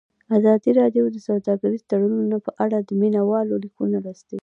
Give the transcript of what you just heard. ازادي راډیو د سوداګریز تړونونه په اړه د مینه والو لیکونه لوستي.